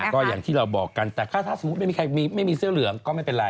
ก็อย่างที่เราบอกกันแต่ถ้าสมมุติไม่มีใครไม่มีเสื้อเหลืองก็ไม่เป็นไร